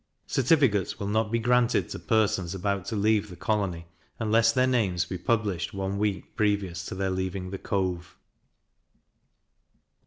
Certificates will not be granted to persons about to leave the colony, unless their names be published one week previous to their leaving the Cove.